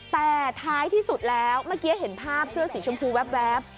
แต่ท้ายที่สุดแล้วเมื่อกี้เห็นภาพเสื้อสีชมพูแว๊บ